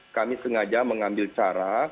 kami sengaja mengambil cara